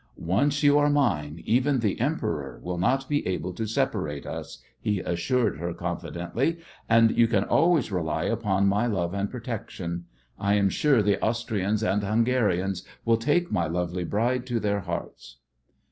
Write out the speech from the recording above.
"Once you are mine, even the Emperor will not be able to separate us," he assured her confidently, "and you can always rely upon my love and protection. I am sure the Austrians and Hungarians will take my lovely bride to their hearts."